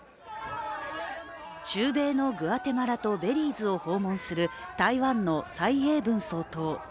中米のグアテマラとベリーズを訪問する台湾の蔡英文総統。